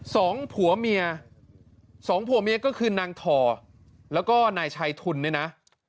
สองผัวเมียก็คือนางทอแล้วก็นายชายทุนเนี่ยนะ